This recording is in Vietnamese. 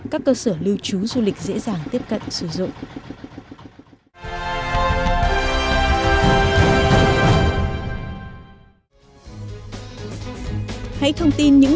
các cơ sở lưu trú du lịch dễ dàng tiếp cận sử dụng